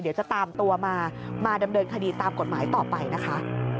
เดี๋ยวจะตามตัวมามาดำเนินคดีตามกฎหมายต่อไปนะคะ